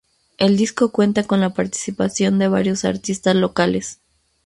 El disco cuenta con la participación de varios artistas locales.